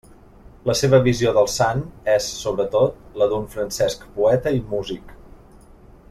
La seva visió del sant és, sobretot, la d'un Francesc poeta i músic.